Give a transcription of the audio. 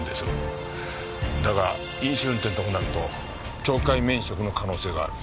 だが飲酒運転ともなると懲戒免職の可能性がある。